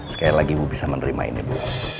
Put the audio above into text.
sekali lagi ibu bisa menerimanya bu